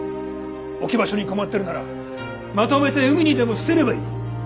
置き場所に困ってるならまとめて海にでも捨てればいい。